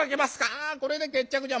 「ああこれで決着じゃ。